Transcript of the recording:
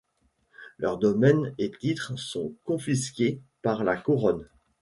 Leurs domaines et titre sont confisqués par la Couronne.